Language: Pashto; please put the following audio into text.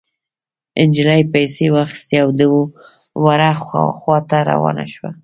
نجلۍ پيسې واخيستې او د وره خوا ته روانه شوه.